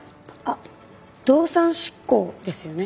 あっ「動産執行」ですよね。